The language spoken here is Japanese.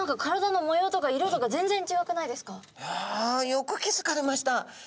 いやよく気付かれました。